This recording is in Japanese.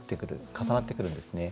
重なってくるんですね。